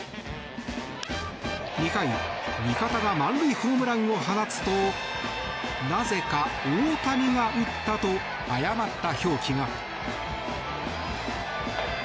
２回、味方が満塁ホームランを放つとなぜか、大谷が打ったと誤った表記が。